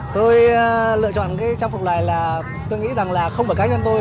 tôi lựa chọn cái trang phục này là tôi nghĩ rằng là không phải cá nhân tôi